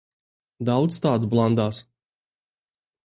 Daudz tādu blandās.